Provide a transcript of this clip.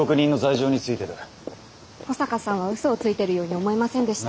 保坂さんはうそをついてるように思えませんでした。